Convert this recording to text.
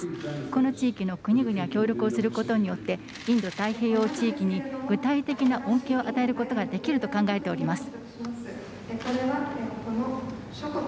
この地域の国々が協力をすることによってインド太平洋地域に具体的な恩恵を与えることができると考えております。